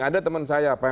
ada teman saya